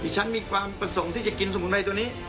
ฉันมีความประสงค์ที่จะกินสมุนไพรตัวนี้